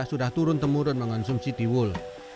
sudah turun temurun mengonsumsi tiwul